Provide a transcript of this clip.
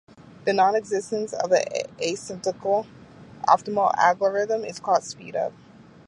The nonexistence of an asymptotically optimal algorithm is called speedup.